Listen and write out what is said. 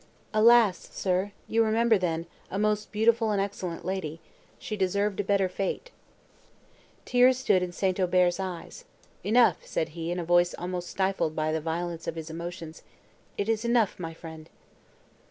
"Alas, sir! you remember, then, a most beautiful and excellent lady. She deserved a better fate." Tears stood in St. Aubert's eyes; "Enough," said he, in a voice almost stifled by the violence of his emotions,—"it is enough, my friend."